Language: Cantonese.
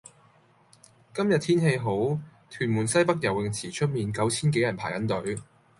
今日天氣好，屯門西北游泳池出面九千幾人排緊隊。